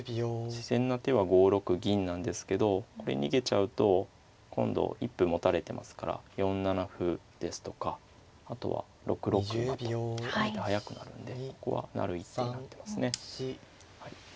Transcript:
自然な手は５六銀なんですけどこれ逃げちゃうと今度一歩持たれてますから４七歩ですとかあとは６六馬と速くなるんでここは成る一手になってますね。